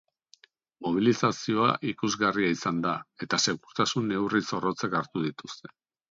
Mobilizazioa ikusgarria izan da eta segurtasun neurri zorrotzak hartu dituzte.